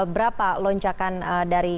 berapa loncakan dari